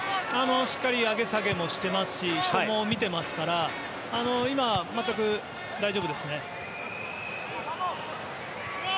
しっかり上げ下げもしていますし人も見ていますから今、全く大丈夫ですね。